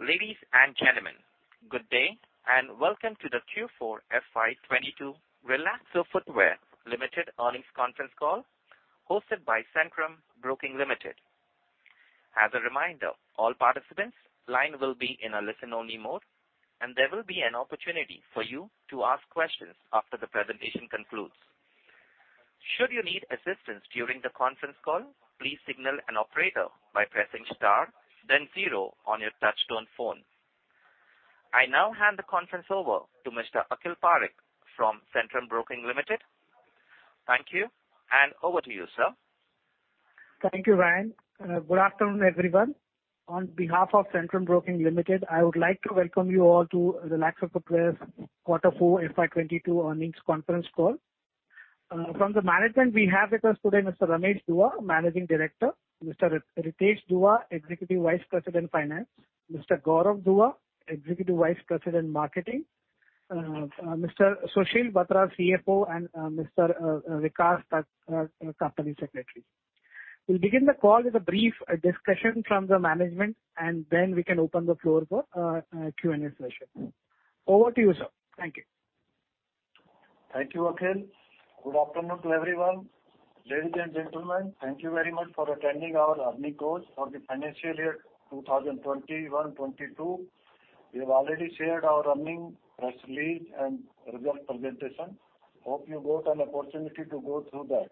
Ladies and gentlemen, good day, and welcome to the Q4 FY22 Relaxo Footwears Limited earnings conference call hosted by Centrum Broking Limited. As a reminder, all participants' lines will be in a listen-only mode, and there will be an opportunity for you to ask questions after the presentation concludes. Should you need assistance during the conference call, please signal an operator by pressing star then zero on your touchtone phone. I now hand the conference over to Mr. Akhil Parekh from Centrum Broking Limited. Thank you, and over to you, sir. Thank you, Ryan. Good afternoon, everyone. On behalf of Centrum Broking Limited, I would like to welcome you all to Relaxo Footwears' Quarter 4 FY 2022 earnings conference call. From the management we have with us today Mr. Ramesh Kumar Dua, Managing Director, Mr. Ritesh Dua, Executive Vice President, Finance, Mr. Gaurav Dua, Executive Vice President, Marketing, Mr. Sushil Batra, CFO, and Mr. Vikas, Company Secretary. We'll begin the call with a brief discussion from the management, and then we can open the floor for Q&A session. Over to you, sir. Thank you. Thank you, Akhil. Good afternoon to everyone. Ladies and gentlemen, thank you very much for attending our earnings call for the financial year 2021-22. We have already shared our earnings press release and result presentation. Hope you got an opportunity to go through that.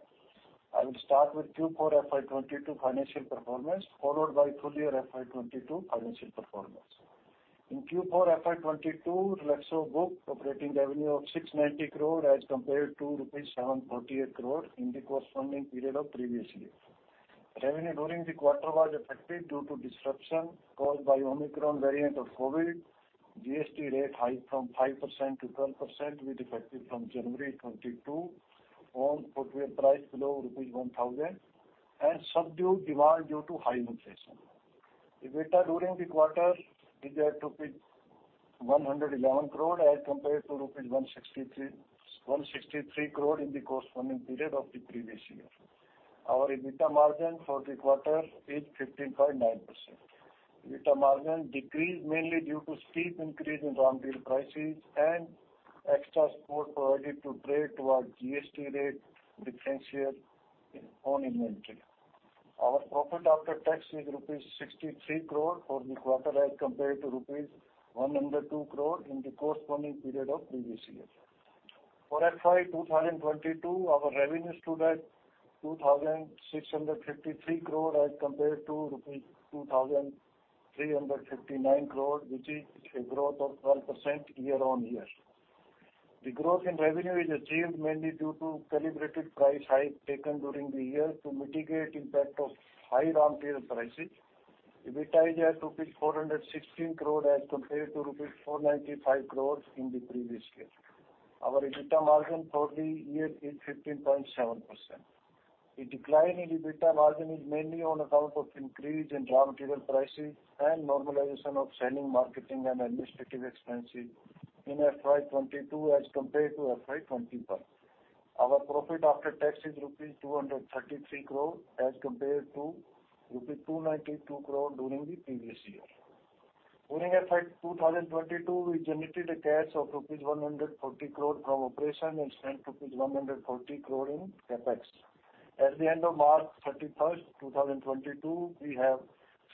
I will start with Q4 FY22 financial performance, followed by full year FY22 financial performance. In Q4 FY22, Relaxo booked operating revenue of 690 crore as compared to rupees 748 crore in the corresponding period of previous year. Revenue during the quarter was affected due to disruption caused by Omicron variant of COVID, GST rate hike from 5%-12%, with effect from January 2022 on footwear price below rupees 1,000, and subdued demand due to high inflation. EBITDA during the quarter is at rupees 111 crore as compared to rupees 163 crore in the corresponding period of the previous year. Our EBITDA margin for the quarter is 15.9%. EBITDA margin decreased mainly due to steep increase in raw material prices and extra support provided to trade toward GST rate differential on inventory. Our profit after tax is rupees 63 crore for the quarter as compared to rupees 102 crore in the corresponding period of previous year. For FY 2022, our revenue stood at 2,653 crore as compared to rupees 2,359 crore, which is a growth of 12% year-on-year. The growth in revenue is achieved mainly due to calibrated price hike taken during the year to mitigate impact of high raw material prices. EBITDA is at rupees 416 crore as compared to rupees 495 crore in the previous year. Our EBITDA margin for the year is 15.7%. A decline in EBITDA margin is mainly on account of increase in raw material prices and normalization of selling, marketing and administrative expenses in FY 2022 as compared to FY 2021. Our profit after tax is rupees 233 crore as compared to rupees 292 crore during the previous years. During FY 2022, we generated a cash of rupees 140 crore from operations and spent rupees 140 crore in CapEx. At the end of March 31, 2022, we have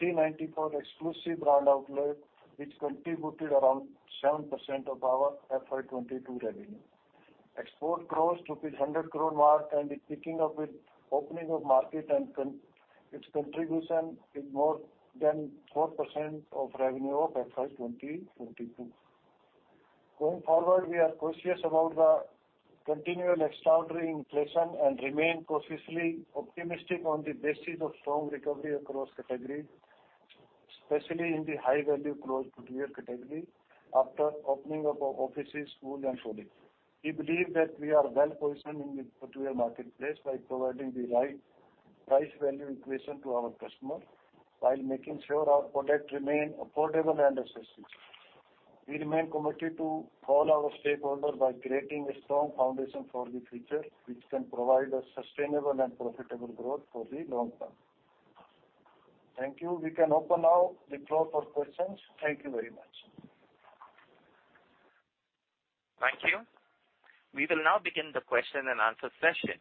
394 exclusive brand outlets which contributed around 7% of our FY 2022 revenue. Export crossed 100 crore mark and is picking up with opening of market and its contribution is more than 4% of revenue of FY 2022. Going forward, we are cautious about the continual extraordinary inflation and remain cautiously optimistic on the basis of strong recovery across category, especially in the high value closed footwear category after opening up of offices, schools and society. We believe that we are well positioned in the footwear marketplace by providing the right price value equation to our customer while making sure our product remain affordable and accessible. We remain committed to all our stakeholder by creating a strong foundation for the future, which can provide a sustainable and profitable growth for the long term. Thank you. We can open now the floor for questions. Thank you very much. Thank you. We will now begin the question and answer session.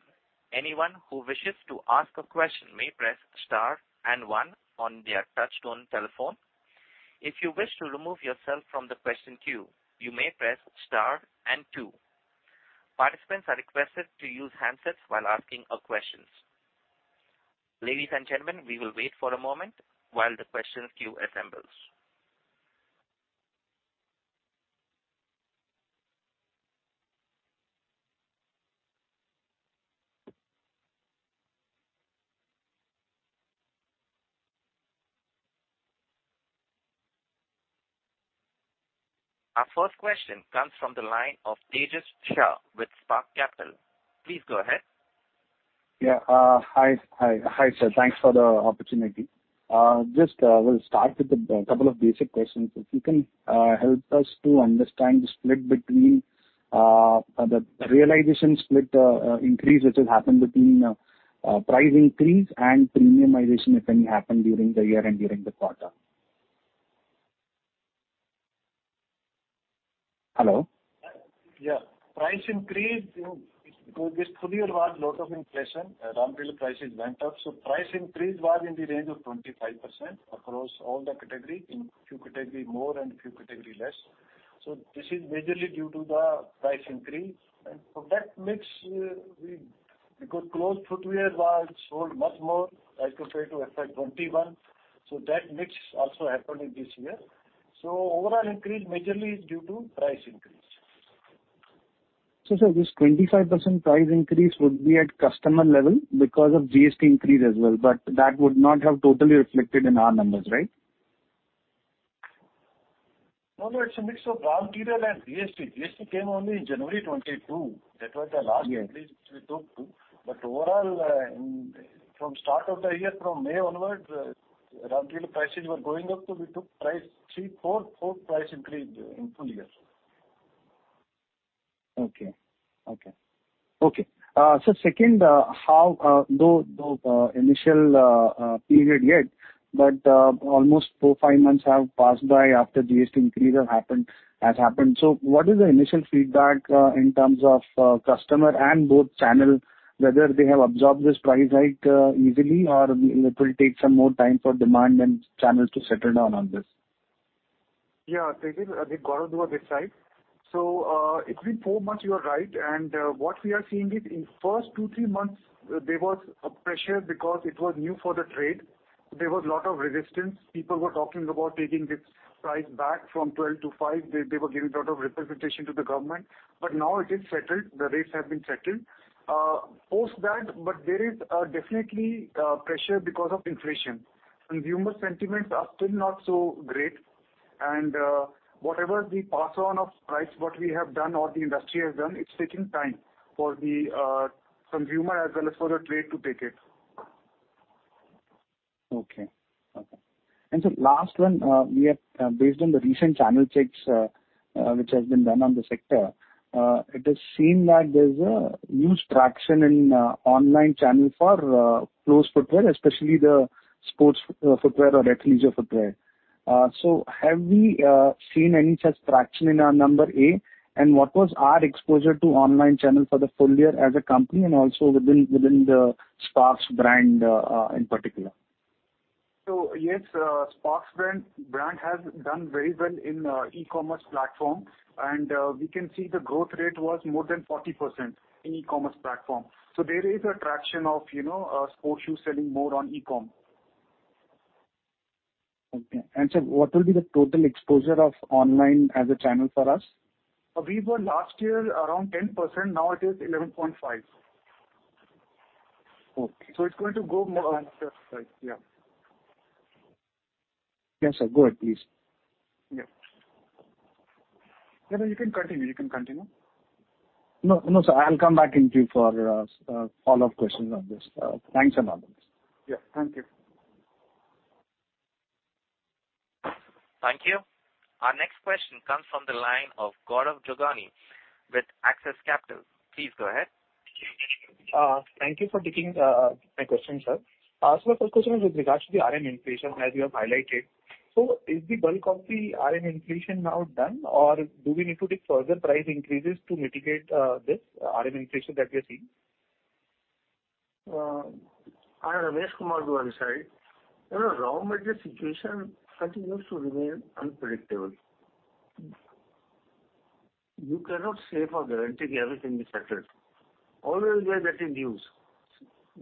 Anyone who wishes to ask a question may press star and one on their touch-tone telephone. If you wish to remove yourself from the question queue, you may press star and two. Participants are requested to use handsets while asking a question. Ladies and gentlemen, we will wait for a moment while the question queue assembles. Our first question comes from the line of Tejash Shah with Spark Capital. Please go ahead. Yeah. Hi. Hi, sir. Thanks for the opportunity. Just, we'll start with a couple of basic questions. If you can help us to understand the split between the realization split increase which has happened between price increase and premiumization, if any, happened during the year and during the quarter. Hello? Yeah. Price increase because this full year was lot of inflation. Raw material prices went up, so price increase was in the range of 25% across all the category. In few category more and few category less. This is majorly due to the price increase. For that mix, because closed footwear was sold much more as compared to FY 2021, so that mix also happened this year. Overall increase majorly is due to price increase. Sir, this 25% price increase would be at customer level because of GST increase as well, but that would not have totally reflected in our numbers, right? No, no. It's a mix of raw material and GST. GST came only in January 2022. That was the last increase we took. Yeah. Overall, from start of the year, from May onwards, raw material prices were going up, so we took 3%-4% price increase in full year. Okay. Second, how though the initial period yet, but almost 4-5 months have passed by after GST increase has happened. What is the initial feedback in terms of customer and both channels, whether they have absorbed this price hike easily, or it will take some more time for demand and channels to settle down on this? Yeah, Tejas, Ritesh Dua on this side. It's been four months, you are right. What we are seeing is in first two, three months, there was a pressure because it was new for the trade. There was lot of resistance. People were talking about taking this price back from 12 to 5. They were giving lot of representation to the government. Now it is settled. The rates have been settled. Post that, there is definitely pressure because of inflation. Consumer sentiments are still not so great. Whatever the pass on of price, what we have done or the industry has done, it's taking time for the consumer as well as for the trade to take it. Okay. Last one, we have based on the recent channel checks, which has been done on the sector, it is seen that there's a huge traction in online channel for closed footwear, especially the sports footwear or athleisure footwear. Have we seen any such traction in our numbers? And what was our exposure to online channel for the full year as a company, and also within the Sparx brand in particular? Yes, Sparx brand has done very well in e-commerce platform, and we can see the growth rate was more than 40% in e-commerce platform. There is a traction of, you know, sports shoe selling more on e-com. Okay. Sir, what will be the total exposure of online as a channel for us? We were last year around 10%. Now it is 11.5%. Okay. It's going to go more. Yeah. Right. Yeah. Yes, sir. Go ahead, please. Yeah. No, no, you can continue. You can continue. No, sir. I'll come back to you for follow-up questions on this. Thanks a lot. Yeah. Thank you. Thank you. Our next question comes from the line of Gaurav Jogani with Axis Capital. Please go ahead. Thank you for taking my question, sir. My first question is with regard to the RM inflation as you have highlighted. Is the bulk of the RM inflation now done, or do we need to take further price increases to mitigate this RM inflation that we are seeing? I am Ramesh Kumar Dua, sir. You know, raw material situation continues to remain unpredictable. You cannot say guaranteed everything is settled. Always there are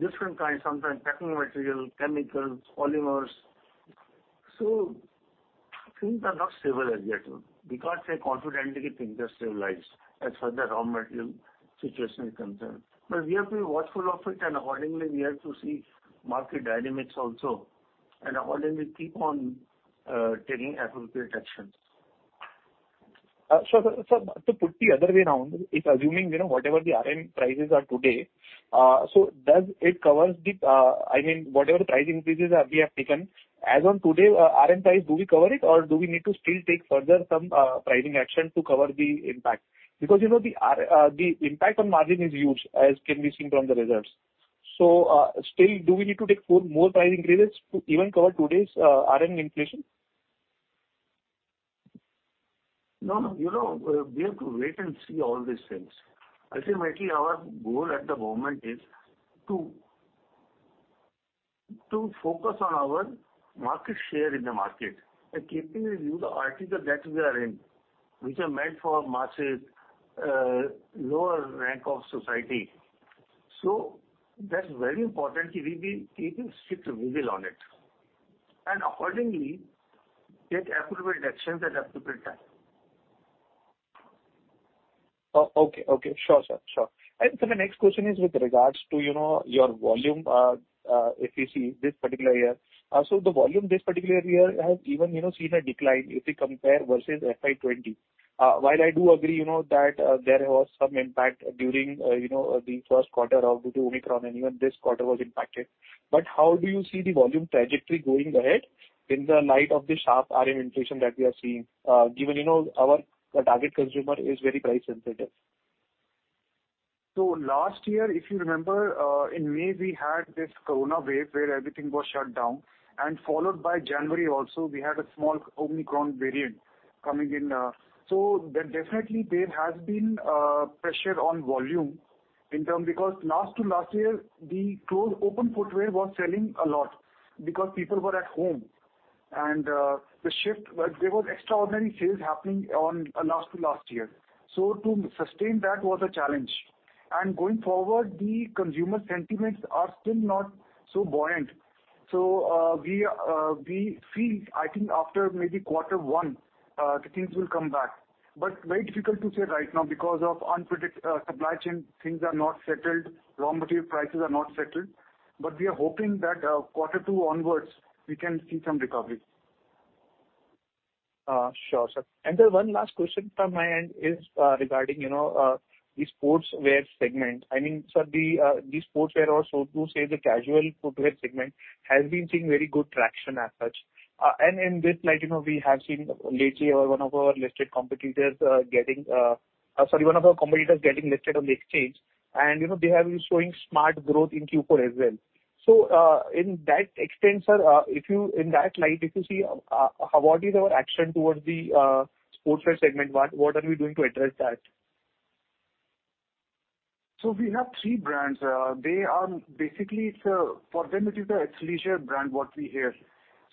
different kinds, sometimes packing material, chemicals, polymers. Things are not stable as yet. We can't say confidently things are stabilized as far as the raw material situation is concerned. We have to be watchful of it, and accordingly, we have to see market dynamics also, and accordingly keep on taking appropriate actions. To put the other way around, if assuming, you know, whatever the RM prices are today, does it covers the, I mean, whatever the price increases that we have taken, as on today, RM price, do we cover it or do we need to still take further some, pricing action to cover the impact? Because, you know, the impact on margin is huge as can be seen from the results. Still, do we need to take further price increases to even cover today's, RM inflation? No, no. You know, we have to wait and see all these things. Ultimately, our goal at the moment is to focus on our market share in the market and keeping in view the strata that we are in, which are meant for masses, lower rung of society. That's very important we be keeping strict vigil on it and accordingly take appropriate actions at appropriate time. Okay. Sure, sir. The next question is with regards to, you know, your volume, if we see this particular year. The volume this particular year has even, you know, seen a decline if we compare versus FY 2020. While I do agree, you know, that there was some impact during, you know, the first quarter due to Omicron and even this quarter was impacted. How do you see the volume trajectory going ahead in the light of the sharp RM inflation that we are seeing, given, you know, our target consumer is very price sensitive? Last year, if you remember, in May, we had this Corona wave where everything was shut down, and followed by January also we had a small Omicron variant coming in. There definitely has been pressure on volume in terms because last to last year, the closed open footwear was selling a lot because people were at home. The shift, like there was extraordinary sales happening on last to last year. To sustain that was a challenge. Going forward, the consumer sentiments are still not so buoyant. We feel I think after maybe quarter one, the things will come back. Very difficult to say right now because supply chain things are not settled, raw material prices are not settled. we are hoping that, quarter two onwards we can see some recovery. Sure, sir. Then one last question from my end is, regarding, you know, the sportswear segment. I mean, sir, the sportswear or so to say, the casual footwear segment has been seeing very good traction as such. In this light, you know, we have seen lately one of our listed competitors getting listed on the exchange. You know, they have been showing smart growth in Q4 as well. In that extent, sir, if you, in that light, if you see, what is our action towards the sportswear segment? What are we doing to address that? We have three brands. They are basically, it's for them it is the athleisure brand what we hear.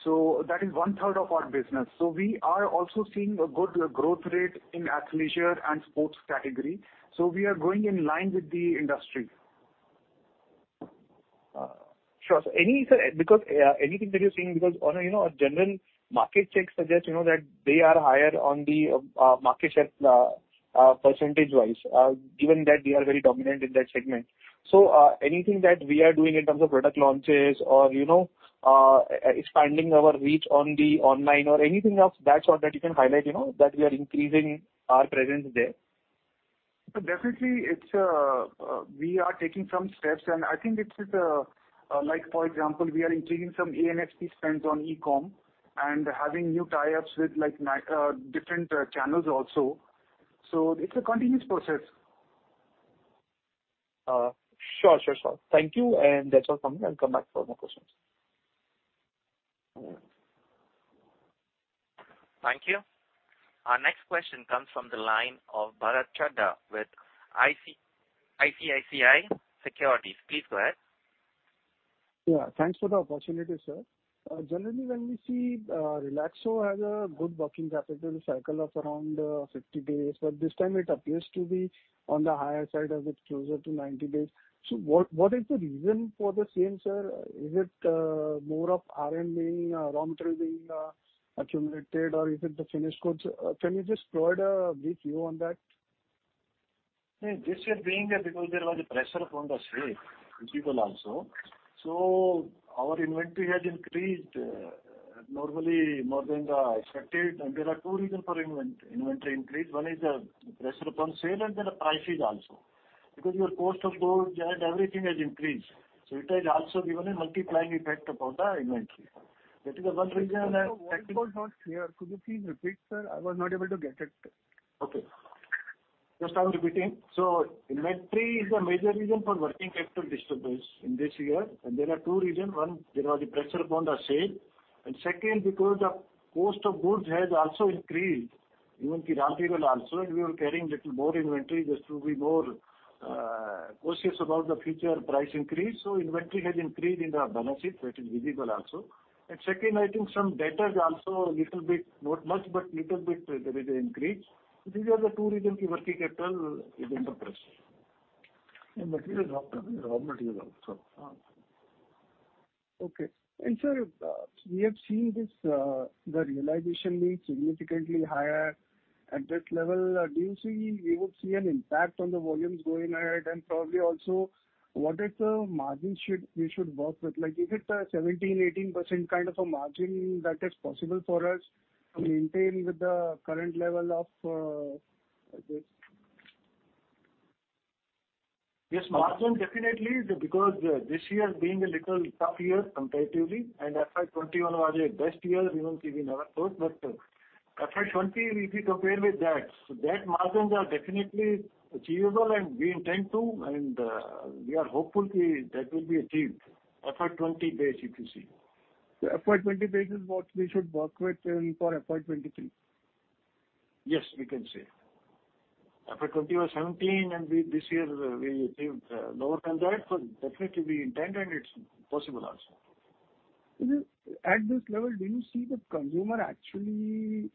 That is 1/3 of our business. We are also seeing a good growth rate in athleisure and sports category. We are going in line with the industry. Sure. Anything, sir? Because, yeah, anything that you're seeing, because on a, you know, a general market check suggests, you know, that they are higher on the market share percentage-wise, given that they are very dominant in that segment. Anything that we are doing in terms of product launches or, you know, expanding our reach on the online or anything of that sort that you can highlight, you know, that we are increasing our presence there. Definitely, it's we are taking some steps, and I think it is, like for example, we are increasing some A&SP spends on e-com and having new tie-ups with like different channels also. It's a continuous process. Sure. Thank you. That's all from me. I'll come back for more questions. Thank you. Our next question comes from the line of Bharat Chhoda with ICICI Securities. Please go ahead. Yeah, thanks for the opportunity, sir. Generally when we see Relaxo has a good working capital cycle of around 50 days, but this time it appears to be on the higher side of it, closer to 90 days. What is the reason for the same, sir? Is it more of RM being raw material being accumulated or is it the finished goods? Can you just provide a brief view on that? This year, because there was pressure on sales visible also. Our inventory has increased, normally more than the expected. There are two reason for inventory increase. One is the pressure on sales and then the prices also. Because our cost of goods and everything has increased, so it has also given a multiplying effect on the inventory. That is the one reason and Sir, volume was not clear. Could you please repeat, sir? I was not able to get it. Okay. Just I'm repeating. Inventory is a major reason for working capital disturbance in this year. There are two reason. One, there was the pressure upon the sale, and second, because the cost of goods has also increased, even the raw material also, and we were carrying little more inventory just to be more cautious about the future price increase. Inventory has increased in the balances. That is visible also. Second, I think some debtors also a little bit, not much, but little bit there is increase. These are the two reason key working capital is under pressure. Material is up and raw material also. Okay. Sir, we have seen this, the realization being significantly higher. At this level, do you see we would see an impact on the volumes going ahead? Probably also, what is the margin we should work with? Like, is it a 17%-18% kind of a margin that is possible for us to maintain with the current level of this? Yes, margin definitely because this year being a little tough year comparatively, and FY 2021 was a best year even we never thought. FY 2020, if you compare with that, so that margins are definitely achievable and we intend to, and we are hopeful that will be achieved FY 2020 base, if you see. The FY 20 base is what we should work with for FY 23. Yes, we can say. FY 20 was 17, and this year we achieved lower than that. Definitely we intend and it's possible also. At this level, do you see the consumer actually,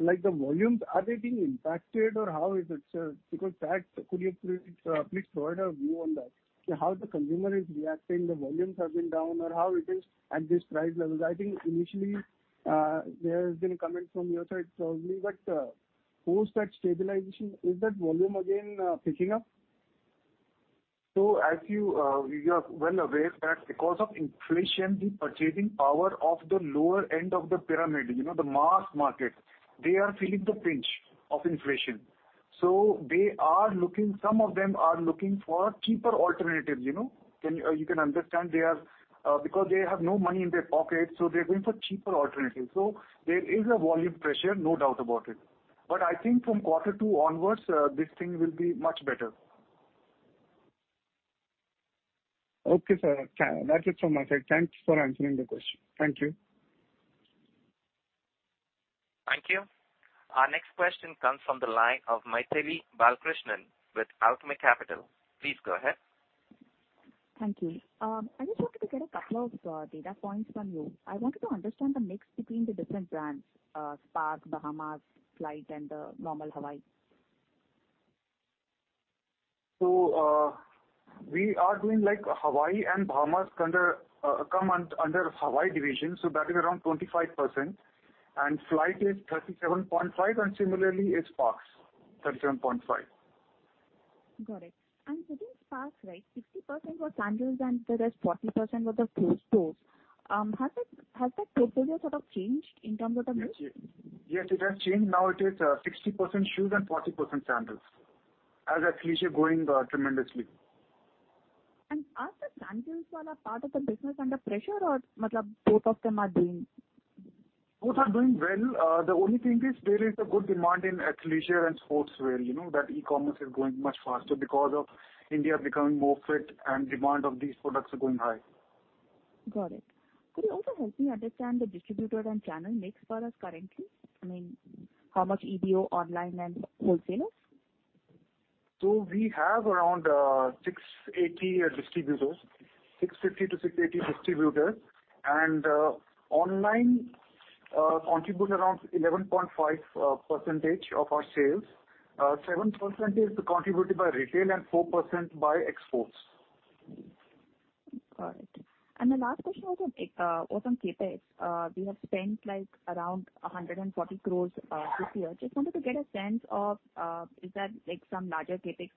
like the volumes, are they being impacted or how is it, sir? Because that, could you please provide a view on that? How the consumer is reacting, the volumes have been down or how it is at this price levels? I think initially, there has been a comment from your side probably, but, post that stabilization, is that volume again, picking up? As you are well aware that because of inflation, the purchasing power of the lower end of the pyramid, you know, the mass market, they are feeling the pinch of inflation. They are looking, some of them are looking for cheaper alternatives, you know. You can understand they are, because they have no money in their pocket, so they're going for cheaper alternatives. There is a volume pressure, no doubt about it. I think from quarter two onwards, this thing will be much better. Okay, sir. That's it from my side. Thanks for answering the question. Thank you. Thank you. Our next question comes from the line of Mythili Balakrishnan with Alchemy Capital. Please go ahead. Thank you. I just wanted to get a couple of data points from you. I wanted to understand the mix between the different brands, Sparx, Bahamas, Flite, and the normal Hawaii. We are doing like Hawaii and Bahamas under Hawaii division, so that is around 25%. Flite is 37.5%, and similarly Sparx is 37.5%. Got it. Within Sparx, right, 60% was sandals, and the rest 40% were the closed toes. Has that portfolio sort of changed in terms of the mix? Yes, it has hanged. Now it is 60% shoes and 40% sandals. As athleisure going tremendously. Are the sandals wala part of the business under pressure or both of them are doing? Both are doing well. The only thing is there is a good demand in athleisure and sportswear, you know, that e-commerce is growing much faster because of India becoming more fit and demand of these products are going high. Got it. Could you also help me understand the distributor and channel mix for us currently? I mean, how much EBO, online, and wholesalers? We have around 680 distributors, 650-680 distributors. Online contribute around 11.5% of our sales. 7% is contributed by retail and 4% by exports. All right. The last question was on CapEx. You have spent, like, around 140 crores this year. Just wanted to get a sense of, is that, like, some larger CapEx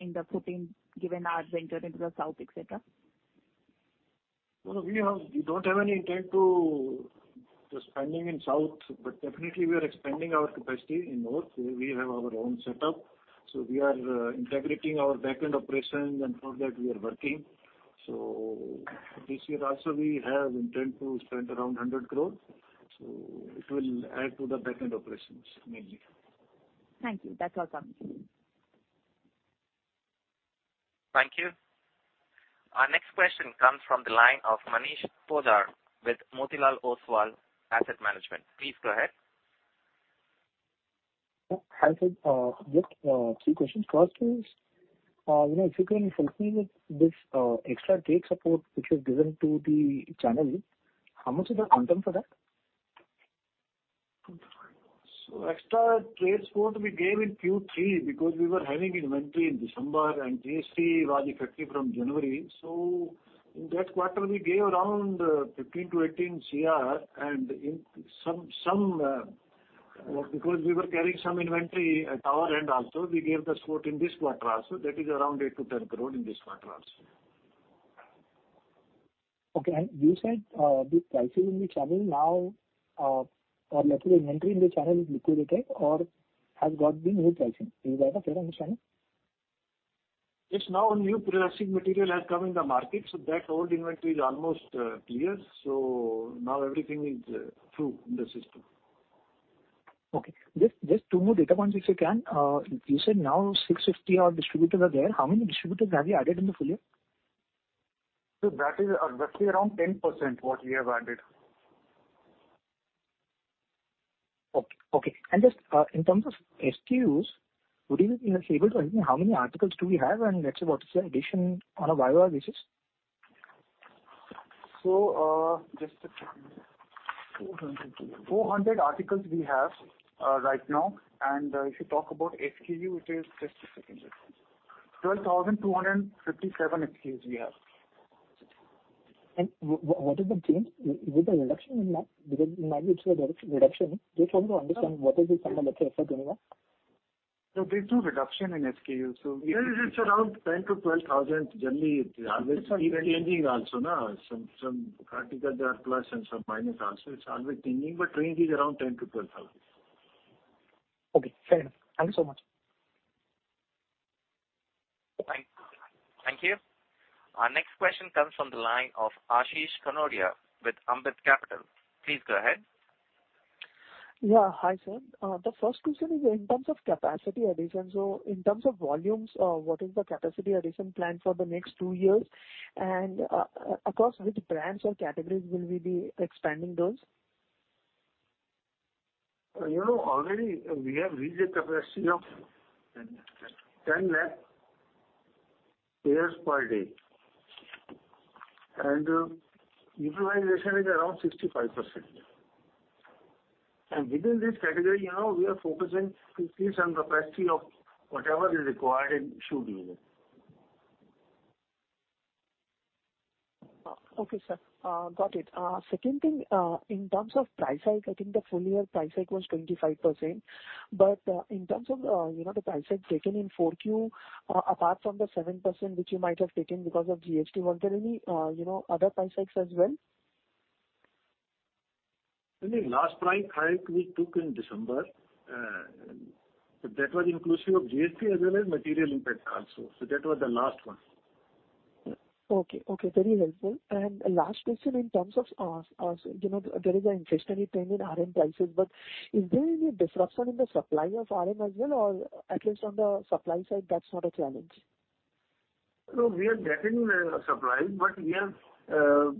in the footprint given our venture into the south, et cetera? No, we don't have any intent to spending in South, but definitely we are expanding our capacity in North. We have our own setup, so we are integrating our back-end operations, and for that we are working. This year also we have intent to spend around 100 crores, so it will add to the back-end operations mainly. Thank you. That's all from me. Thank you. Our next question comes from the line of Manish Poddar with Motilal Oswal Asset Management. Please go ahead. Hi, sir. Just three questions. First is, you know, if you can help me with this extra trade support which was given to the channel. How much is the one term for that? Extra trade support we gave in Q3 because we were having inventory in December, and GST was effective from January. In that quarter we gave around 15 crore-18 crore and in some because we were carrying some inventory at our end also, we gave the support in this quarter also. That is around 8-10 crore in this quarter also. Okay. You said, the prices in the channel now, or let's say the inventory in the channel is liquidated or has got the new pricing. Is that a fair understanding? Yes. Now new pricing material has come in the market, so that old inventory is almost clear. Now everything is through in the system. Okay. Just two more data points if you can. You said now 650 distributors are there. How many distributors have you added in the full year? That is roughly around 10% what we have added. Okay. Just, in terms of SKUs, would you be able to tell me how many articles do we have and let's say what is the addition on a YOY basis? Just a second. 400 articles we have right now. If you talk about SKU, it is just a second. 12,257 SKUs we have. What is the change? Is it a reduction in that? Because it might be a reduction. Just want to understand what is the number that you are talking about. No, there's no reduction in SKU. It's around 10,000-12,000. Generally it's always changing also, no. Some articles are plus and some minus also. It's always changing, but range is around 10,000-12,000. Okay, fair enough. Thank you so much. Thank you. Thank you. Our next question comes from the line of Ashish Kanodia with Ambit Capital. Please go ahead. Yeah. Hi, sir. The first question is in terms of capacity addition. In terms of volumes, what is the capacity addition plan for the next two years? Across which brands or categories will we be expanding those? You know, already we have reached a capacity of 10 lakh pairs per day. Utilization is around 65%. Within this category, you know, we are focusing to increase some capacity of whatever is required in shoe business. Okay, sir. Got it. Second thing, in terms of price hike, I think the full year price hike was 25%. In terms of, you know, the price hike taken for Sparx, apart from the 7% which you might have taken because of GST, was there any, you know, other price hikes as well? Any last price hike we took in December. That was inclusive of GST as well as material impact also. That was the last one. Okay. Very helpful. Last question in terms of, you know, there is an inflationary trend in RM prices, but is there any disruption in the supply of RM as well, or at least on the supply side, that's not a challenge? No, we are getting the supplies, but we are.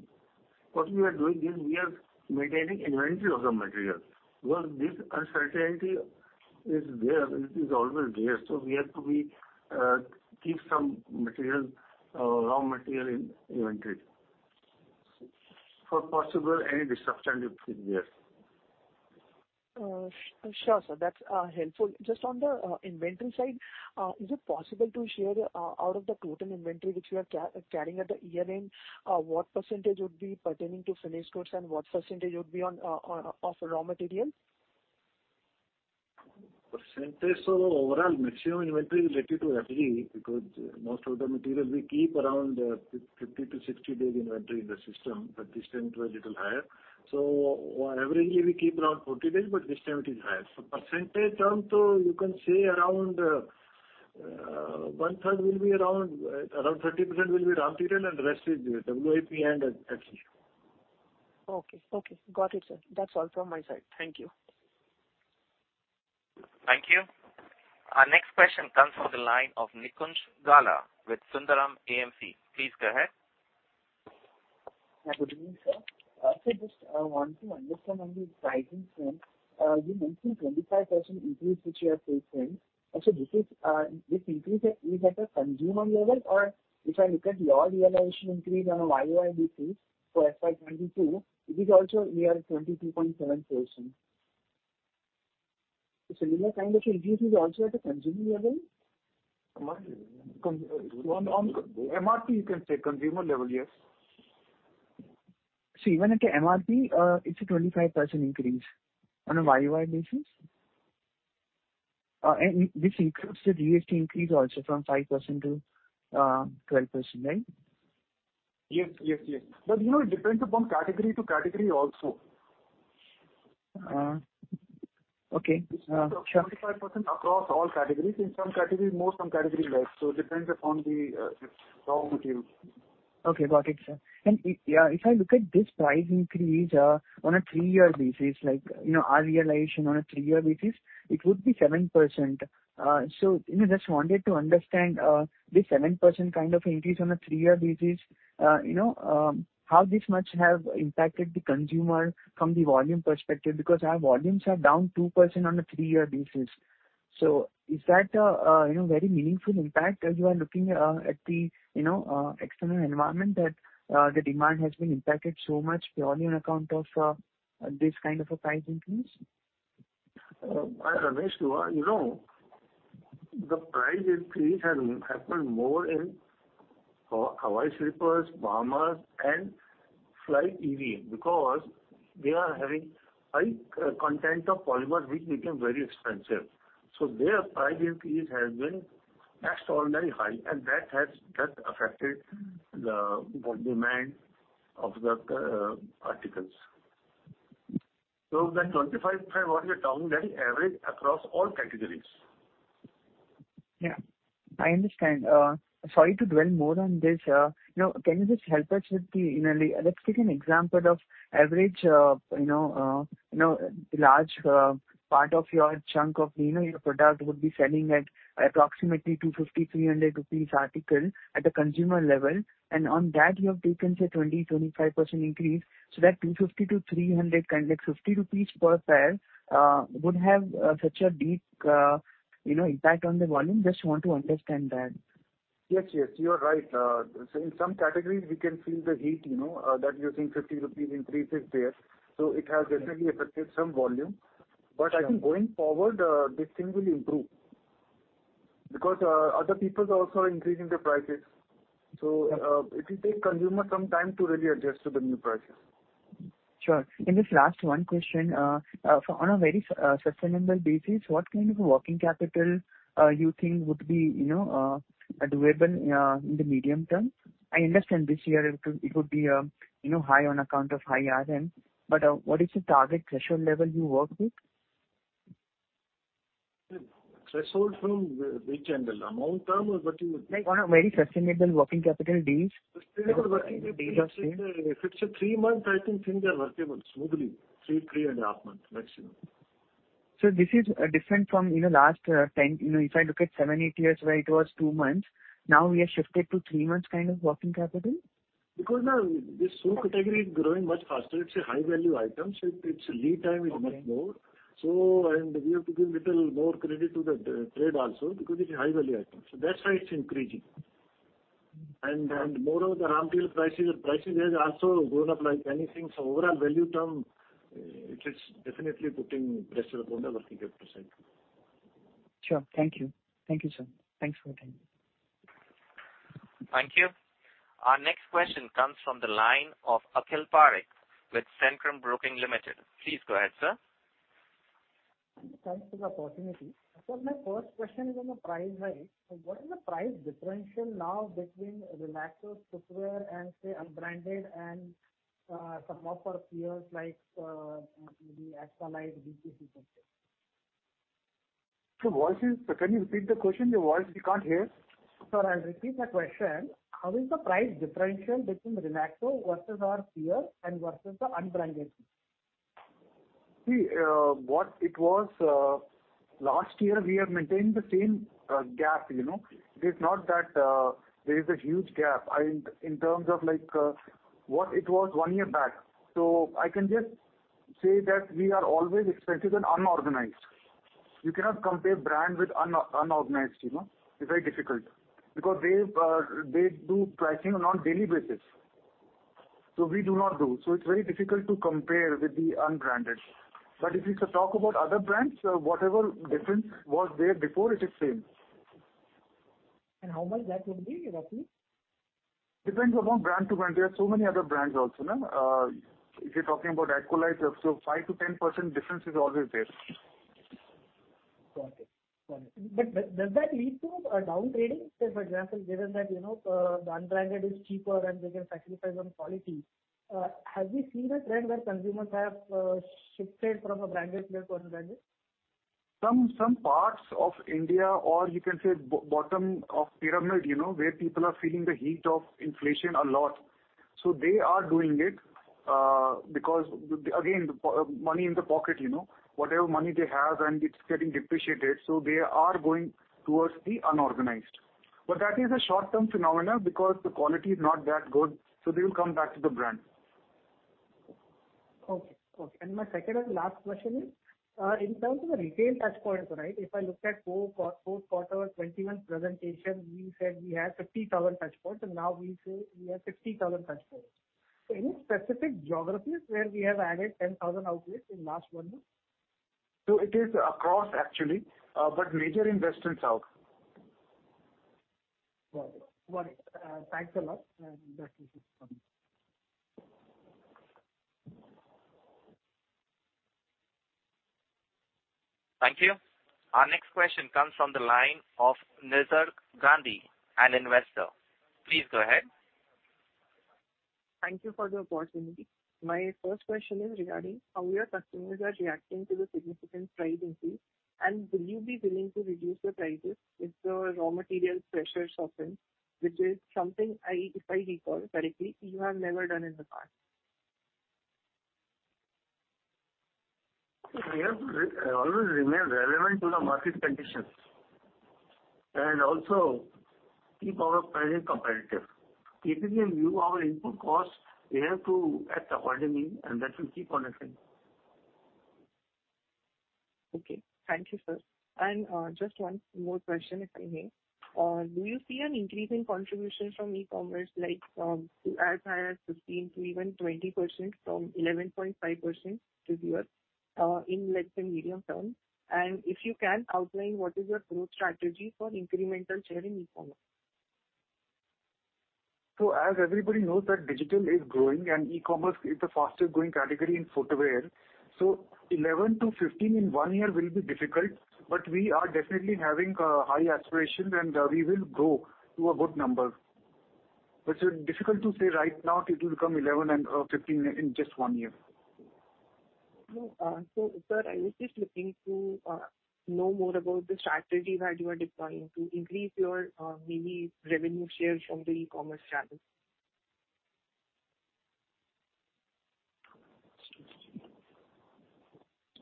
What we are doing is we are maintaining inventory of the material. Because this uncertainty is there, it is always there, so we have to keep some material, raw material in inventory for possible any disruption which is there. Sure, sir. That's helpful. Just on the inventory side, is it possible to share out of the total inventory which you are carrying at the year-end, what percentage would be pertaining to finished goods and what percentage would be of raw material? Percentage of overall maximum inventory related to FG because most of the materials we keep around 50-60 days inventory in the system, but this time it was little higher. Overall, we keep around 40 days, but this time it is higher. Percentage term, you can say around one third will be around 30% will be raw material and the rest is WIP and FG. Okay. Got it, sir. That's all from my side. Thank you. Thank you. Our next question comes from the line of Nikunj Gala with Sundaram AMC. Please go ahead. Yeah, good evening, sir. Just want to understand on the pricing front, you mentioned 25% increase which you are facing. This increase is at a consumer level or if I look at your realization increase on a YoY basis for FY 2022, it is also near 22.7%. Similar kind of increase is also at the consumer level? On MRP, you can say consumer level, yes. Even at the MRP, it's a 25% increase on a YoY basis? This includes the GST increase also from 5%-12%, right? Yes. You know, it depends upon category to category also. Okay. Sure. 25% across all categories. In some categories more, some categories less, so it depends upon its raw material. Okay, got it, sir. Yeah, if I look at this price increase on a three-year basis, like, you know, our realization on a three-year basis, it would be 7%. Just wanted to understand this 7% kind of increase on a three-year basis, you know, how much this has impacted the consumer from the volume perspective because our volumes are down 2% on a three-year basis. Is that very meaningful impact as you are looking at the external environment that the demand has been impacted so much purely on account of this kind of a price increase? Ramesh, you know, the price increase has happened more in Hawai slippers, Bahamas and Slides EVA because they are having high content of polymer which became very expensive. Their price increase has been extraordinarily high, and that has just affected the demand of the articles. The 25% what we are talking, that is average across all categories. Yeah, I understand. Sorry to dwell more on this. You know, can you just help us with the. Let's take an example of average, you know, large part of your chunk of, you know, your product would be selling at approximately 250-300 rupees article at a consumer level. On that you have taken, say, 20%-25% increase. That 250-300, kind of like 50 rupees per pair, would have such a deep, you know, impact on the volume. Just want to understand that. Yes. You are right. In some categories we can feel the heat, you know, that you're seeing 50 rupees increase is there. It has definitely affected some volume. Sure. I think going forward, this thing will improve because other people are also increasing their prices. It will take the consumer some time to really adjust to the new prices. Sure. Just last one question on a very sustainable basis, what kind of a working capital you think would be, you know, doable in the medium term? I understand this year it would be, you know, high on account of high RM. What is the target threshold level you work with? Threshold from which angle? Amount term or what you- Like on a very sustainable working capital days. Sustainable working capital. Days, yeah. If it's a three-month, I think things are working well smoothly. Three and a half month maximum. This is different from, you know, last 10, you know, if I look at seven, eight years where it was two months, now we have shifted to three months kind of working capital? Because this shoe category is growing much faster. It's a high value item, so it's lead time is much more. Okay. We have to give little more credit to the trade also because it's a high value item. That's why it's increasing. Moreover, the raw material prices has also gone up like anything. Overall value term, it is definitely putting pressure upon the working capital side. Sure. Thank you. Thank you, sir. Thanks for your time. Thank you. Our next question comes from the line of Akhil Parekh with Centrum Broking Limited. Please go ahead, sir. Thanks for the opportunity. My first question is on the price rise. What is the price differential now between Relaxo footwear and, say, unbranded and some of our peers like maybe Aqualite, VKC for example? Sir, voice is. Can you repeat the question? The voice, we can't hear. Sir, I'll repeat the question. How is the price differential between Relaxo versus our peer and versus the unbranded? See, what it was last year, we have maintained the same gap, you know. It is not that there is a huge gap in terms of like what it was one year back. I can just say that we are always expensive than unorganized. You cannot compare branded with unorganized, you know. It's very difficult because they do pricing on daily basis. We do not do, so it's very difficult to compare with the unbranded. If we talk about other brands, whatever difference was there before, it is same. How much that will be roughly? Depends upon brand to brand. There are so many other brands also. If you're talking about Aqualite, so 5%-10% difference is always there. Got it. Does that lead to downgrading? Say, for example, given that, you know, the unbranded is cheaper and they can sacrifice on quality, have you seen a trend where consumers have shifted from a branded player to unbranded? Some parts of India or you can say bottom of pyramid, you know, where people are feeling the heat of inflation a lot. They are doing it because, again, the money in the pocket, you know. Whatever money they have and it's getting depreciated, so they are going towards the unorganized. That is a short-term phenomenon because the quality is not that good, so they will come back to the brand. Okay. My second and last question is, in terms of the retail touchpoints, right? If I look at fourth quarter 2021 presentation, we said we have 50,000 touchpoints and now we say we have 60,000 touchpoints. Any specific geographies where we have added 10,000 outlets in last one month? It is across actually, but major in West and South. Got it. Thanks a lot. That's it. Thank you. Our next question comes from the line of Nisarg Gandhi, an investor. Please go ahead. Thank you for the opportunity. My first question is regarding how your customers are reacting to the significant price increase, and will you be willing to reduce your prices if the raw material pressures soften, which is something I, if I recall correctly, you have never done in the past. We have to really always remain relevant to the market conditions and also keep our pricing competitive. If we review our input costs, we have to act accordingly, and that will keep on affecting. Okay. Thank you, sir. Just one more question, if I may. Do you see an increasing contribution from e-commerce, like from 11.5% to as high as 15% to even 20%, in the medium term? If you can outline what is your growth strategy for incremental share in e-commerce? As everybody knows that digital is growing and e-commerce is the fastest growing category in footwear. 11%-15% in one year will be difficult, but we are definitely having high aspirations and we will grow to a good number. It's difficult to say right now it will become 11% and 15% in just one year. No, sir, I was just looking to know more about the strategy that you are deploying to increase your maybe revenue shares from the e-commerce channels?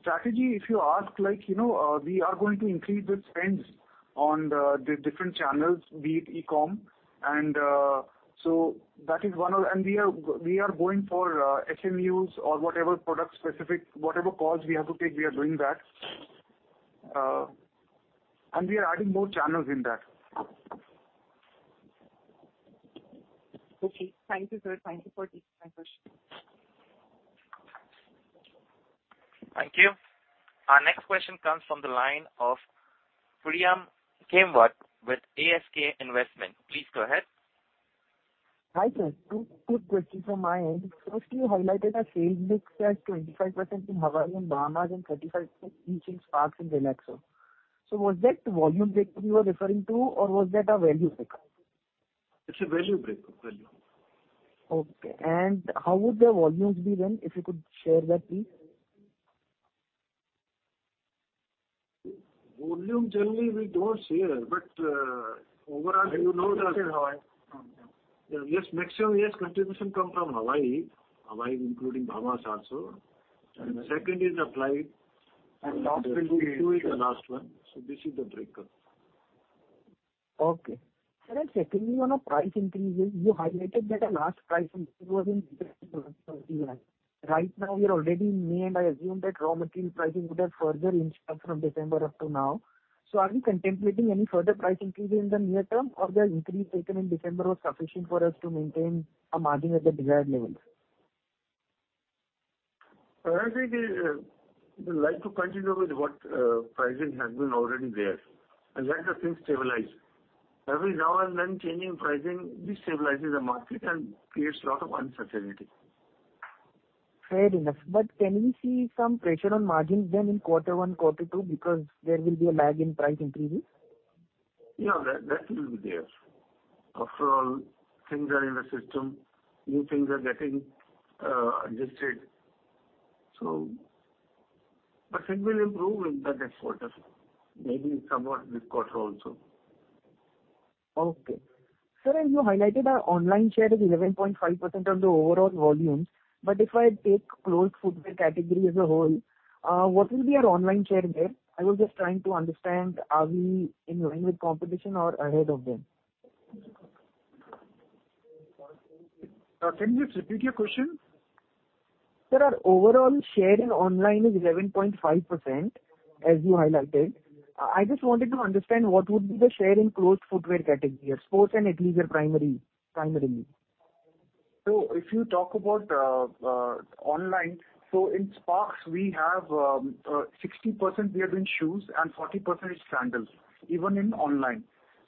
Strategy, if you ask, like, you know, we are going to increase the spends on the different channels, be it e-com. So that is one of. We are going for SMUs or whatever product specific, whatever calls we have to take, we are doing that. We are adding more channels in that. Okay. Thank you, sir. Thank you for taking my question. Thank you. Our next question comes from the line of Priyam Khimawat with ASK Investment. Please go ahead. Hi, sir. Two quick questions from my end. First, you highlighted a sales mix as 25% in Hawai and Bahamas and 35% each in Sparx and Relaxo. Was that the volume breakup you were referring to or was that a value breakup? It's a value breakup. Value. Okay. How would the volumes be then, if you could share that, please? Volume generally we don't share, but overall, you know, yes, maximum, yes, contribution come from Hawai. Hawai including Bahamas also. Second is Apply. Last will be. Sparx is the last one. This is the breakup. Okay. Secondly, on price increases, you highlighted that the last price increase was in December 2021. Right now we are already in May, and I assume that raw material pricing would have further increased from December up to now. Are we contemplating any further price increase in the near term or the increase taken in December was sufficient for us to maintain our margin at the desired levels? I think we like to continue with what pricing has been already there, and let the things stabilize. Every now and then changing pricing destabilizes the market and creates a lot of uncertainty. Fair enough. Can we see some pressure on margins then in quarter one, quarter two because there will be a lag in price increases? Yeah. That will be there. After all, things are in the system, new things are getting adjusted. But it will improve in the next quarters, maybe somewhat this quarter also. Okay. Sir, you highlighted our online share is 11.5% of the overall volumes. If I take closed footwear category as a whole, what will be our online share there? I was just trying to understand are we in line with competition or ahead of them? Can you repeat your question? Sir, our overall share in online is 11.5%, as you highlighted. I just wanted to understand what would be the share in closed footwear category, sports and leisure, primarily. If you talk about online, in Sparx we have 60% share in shoes and 40% is sandals even online.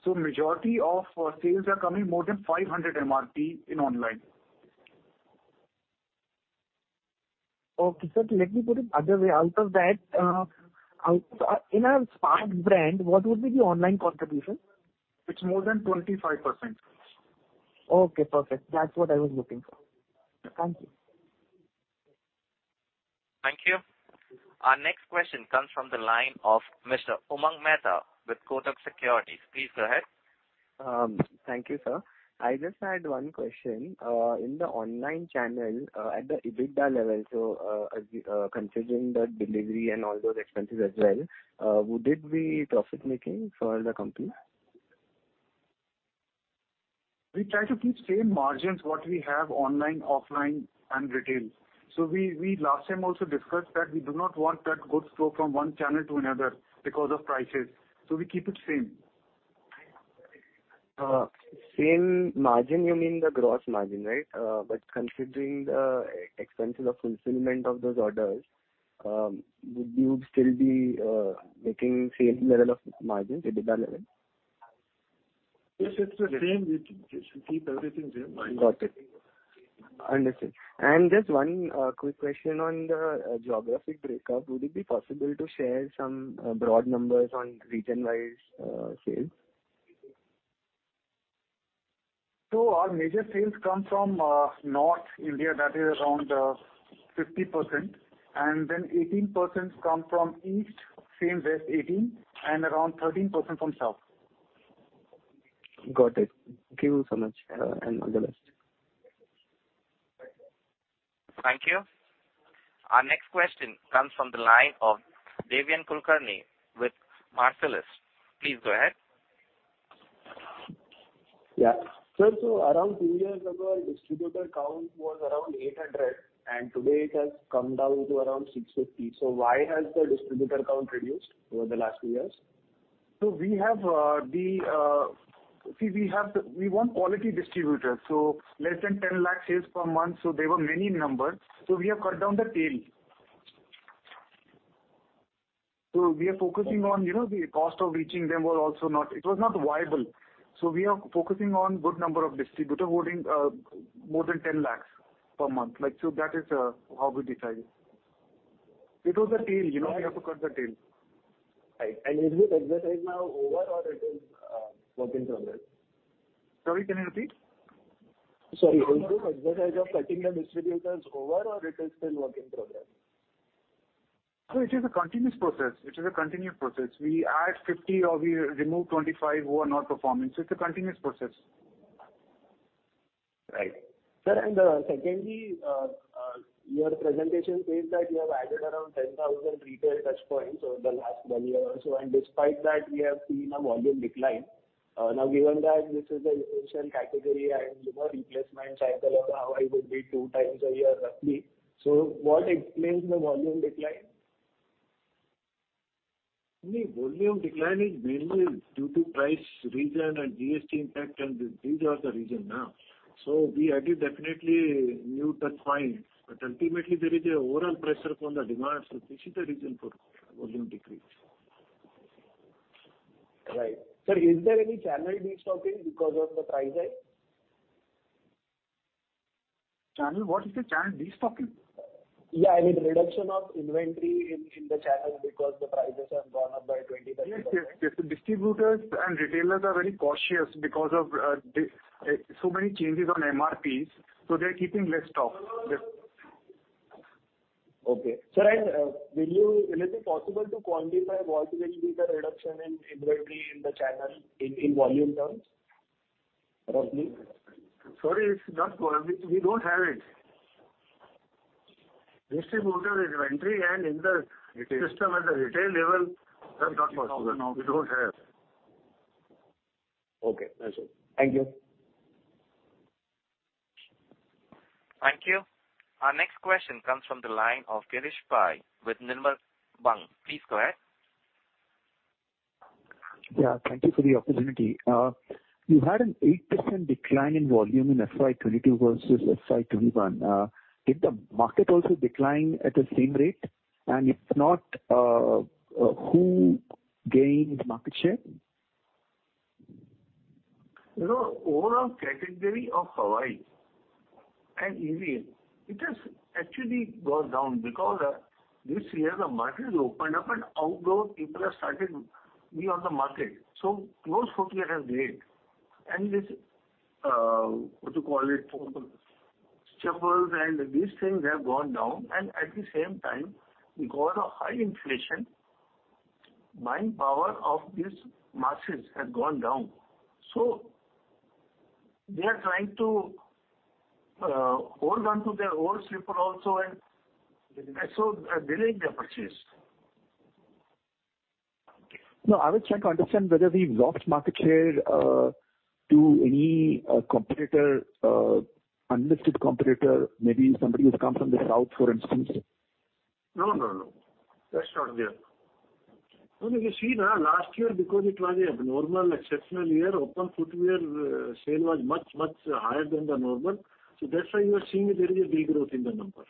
Majority of sales are coming more than 500 MRP in online. Okay. Sir, let me put it another way. Out of that, in our Sparx brand, what would be the online contribution? It's more than 25%. Okay, perfect. That's what I was looking for. Thank you. Thank you. Our next question comes from the line of Mr. Umang Mehta with Kotak Securities. Please go ahead. Thank you, sir. I just had one question. In the online channel, at the EBITDA level, as we considering the delivery and all those expenses as well, would it be profit-making for the company? We try to keep same margins what we have online, offline, and retail. We last time also discussed that we do not want that goods flow from one channel to another because of prices. We keep it same. Same margin, you mean the gross margin, right? Considering the expenses of fulfillment of those orders, would you still be making same level of margin at EBITDA level? Yes, it's the same. We just keep everything same. Got it. Understood. Just one quick question on the geographic breakup. Would it be possible to share some broad numbers on region-wise sales? Our major sales come from North India, that is around 50%. Then 18% come from East, same West 18%, and around 13% from South. Got it. Thank you so much, and all the best. Thank you. Our next question comes from the line of Deven Kulkarni with Marcellus. Please go ahead. Yeah. Sir, so around three years ago, distributor count was around 800, and today it has come down to around 650. Why has the distributor count reduced over the last few years? We want quality distributors, so less than 10 lakh sales per month, so they were many in number. We have cut down the tail. We are focusing on, you know, the cost of reaching them were also not viable. We are focusing on good number of distributor holding, more than 10 lakhs per month. Like, so that is how we decide. It was a tail, you know, we have to cut the tail. Right. Is this exercise now over or it is, work in progress? Sorry, can you repeat? Sorry. Is this exercise of cutting the distributors over or it is still work in progress? No, it is a continuous process. We add 50 or we remove 25 who are not performing. It's a continuous process. Right. Sir, and, your presentation says that you have added around 10,000 retail touchpoints over the last one year or so, and despite that, we have seen a volume decline. Now, given that this is a seasonal category and, you know, replacement cycle of Hawai would be 2x a year roughly, what explains the volume decline? The volume decline is mainly due to price reason and GST impact and these are the reason now. We added definitely new touchpoints, but ultimately there is an overall pressure from the demand. This is the reason for volume decrease. Right. Sir, is there any channel destocking because of the price hike? Channel, what is it? Channel destocking? Yeah, I mean, reduction of inventory in the channel because the prices have gone up by 20%. Yes, yes. The distributors and retailers are very cautious because of the so many changes on MRPs, so they're keeping less stock. Yeah. Okay. Sir, will it be possible to quantify what will be the reduction in inventory in the channel in volume terms, roughly? We don't have it. Distributor inventory and in the system at the retail level, that's not possible. We don't have. Okay. That's it. Thank you. Thank you. Our next question comes from the line of Girish Pai with Nirmal Bang. Please go ahead. Yeah, thank you for the opportunity. You had an 8% decline in volume in FY 2022 versus FY 2021. Did the market also decline at the same rate? If not, who gained market share? You know, overall category of Hawai and easy, it has actually gone down because this year the market is opened up and outdoor people have started being on the market. Closed footwear has gained. This, what you call it, chappals and these things have gone down. At the same time, because of high inflation, buying power of these masses has gone down. They are trying to hold on to their old slipper also, and so they're delaying their purchase. No, I was trying to understand whether we've lost market share to any competitor, unlisted competitor, maybe somebody who's come from the south, for instance. No, no. That's not there. You see now, last year, because it was a normal exceptional year, open footwear sale was much, much higher than the normal. That's why you are seeing there is a big growth in the number.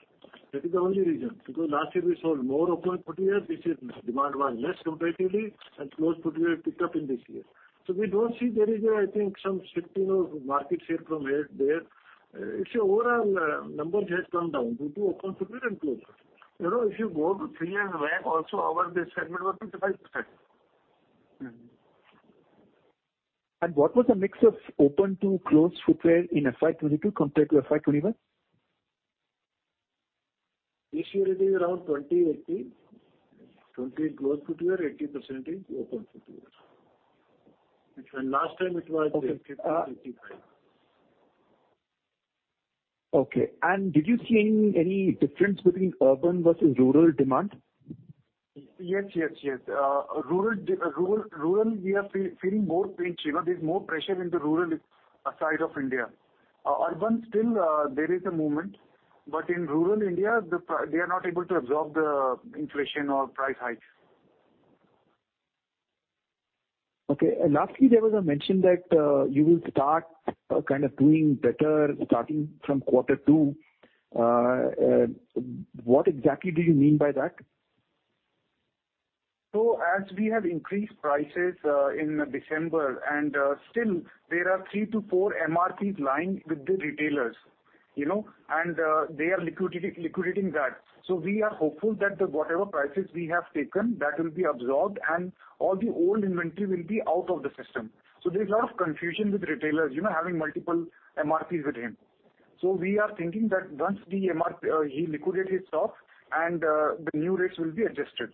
That is the only reason. Last year we sold more open footwear. This year demand was less comparatively, and closed footwear picked up in this year. We don't see there is, I think some shifting of market share from here to there. It's your overall numbers has come down due to open footwear and closed footwear. You know, if you go to three years back also, our segment was 25%. What was the mix of open to closed footwear in FY 22 compared to FY 21? This year it is around 20/80. 20% closed footwear, 80% open footwear. Last time it was 85%. Okay. Eighty-five. Okay. Did you see any difference between urban versus rural demand? Yes. Rural, we are feeling more pinch. You know, there's more pressure in the rural side of India. Urban still, there is a movement, but in rural India, they are not able to absorb the inflation or price hikes. Okay. Lastly, there was a mention that you will start kind of doing better starting from quarter two. What exactly do you mean by that? As we have increased prices in December, and still there are 3-4 MRPs lying with the retailers, you know, and they are liquidating that. We are hopeful that the whatever prices we have taken, that will be absorbed and all the old inventory will be out of the system. There's a lot of confusion with retailers, you know, having multiple MRPs with him. We are thinking that once the MRP he liquidate his stock and the new rates will be adjusted.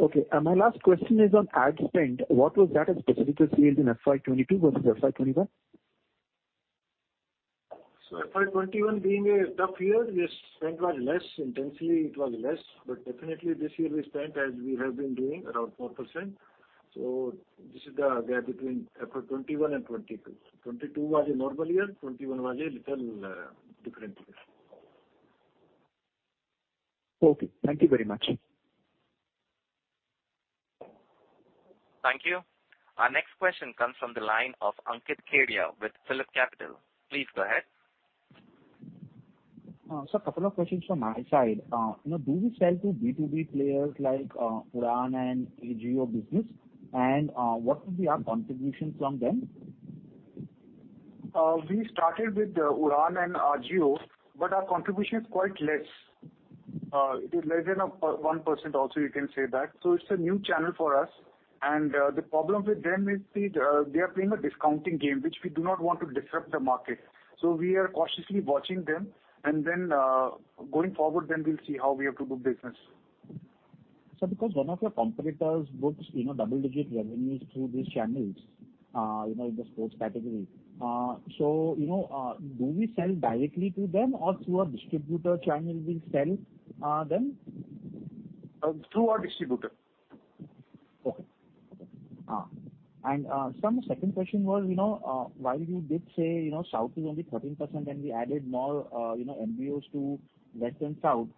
Okay. My last question is on ad spend. What was that as % of sales in FY 2022 versus FY 2021? FY 21 being a tough year, we spent less intensely. It was less. Definitely this year we spent as we have been doing, around 4%. This is the gap between FY 21 and 22. 22 was a normal year. 21 was a little different year. Okay. Thank you very much. Thank you. Our next question comes from the line of Ankit Kedia with PhillipCapital. Please go ahead. Sir, couple of questions from my side. You know, do we sell to B2B players like Udaan and AJIO business? What would be our contribution from them? We started with Udaan and AJIO, but our contribution is quite less. It is less than 1% also you can say that. It's a new channel for us. The problem with them is they are playing a discounting game, which we do not want to disrupt the market. We are cautiously watching them. Going forward, we'll see how we have to do business. Sir, because one of your competitors books, you know, double-digit revenues through these channels, you know, in the sports category. You know, do we sell directly to them or through a distributor channel we sell them? through our distributor. Okay. Sir, my second question was, you know, while you did say, you know, South is only 13% and we added more, you know, MBOs to West and South,